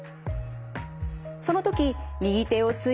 その時右手をついて骨折。